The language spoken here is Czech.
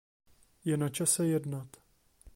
Je na čase jednat.